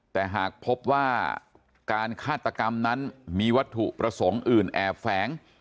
แต่หากพบว่าการฆาตกรรมนั้นมีวัตถุประสงค์อื่นแอบแฝง